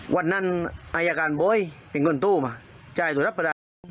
วันนั้นอ่าอยากการบอยเป็นคนตู้มาใจสัปดาห์